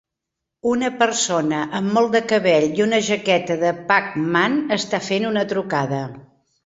Una persona amb molt de cabell i una jaqueta de Pac-Man està fent una trucada.